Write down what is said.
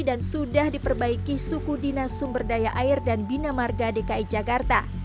dan sudah diperbaiki suku dinasumberdaya air dan bina marga dki jakarta